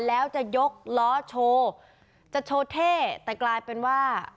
แล้วจะยกล้อโชว์จะโชว์เท่แต่กลายเป็นว่า